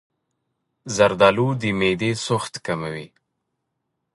زردآلو د معدې سوخت کموي.